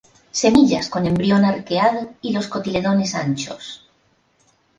Semillas con embrión arqueado y los cotiledones anchos.